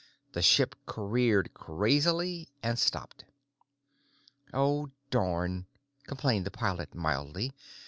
The ship careened crazily, and stopped. "Oh, darn," complained the pilot mildly.